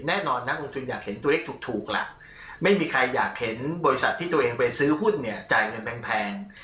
นักลงทุนอยากเห็นตัวเลขถูกล่ะไม่มีใครอยากเห็นบริษัทที่ตัวเองไปซื้อหุ้นเนี่ยจ่ายเงินแพง